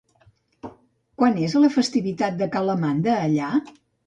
Quan és la festivitat de Calamanda allà?